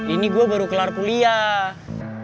ini gue baru kelar kuliah